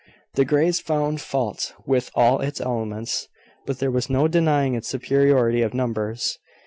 The Greys found fault with all its elements; but there was no denying its superiority of numbers.